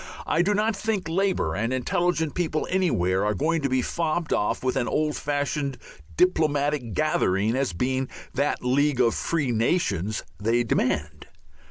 I do not think Labour and intelligent people anywhere are going to be fobbed off with an old fashioned diplomatic gathering as being that League of Free Nations they demand.